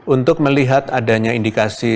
untuk melihat adanya indikasi